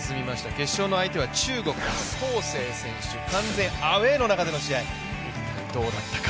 決勝の相手は中国の唐セイ選手、完全アウェーの中での試合、一体どうだったか。